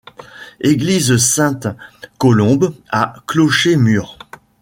Église Sainte Colombe à clocher mur.